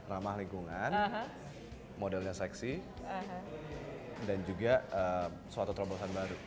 ramah lingkungan modelnya seksi dan juga suatu terobosan baru